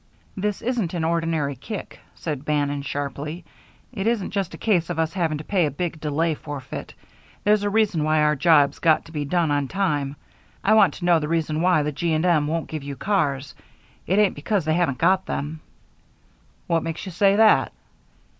"This isn't an ordinary kick," said Bannon, sharply. "It isn't just a case of us having to pay a big delay forfeit. There's a reason why our job's got to be done on time. I want to know the reason why the G. & M. won't give you cars. It ain't because they haven't got them." "What makes you say that?"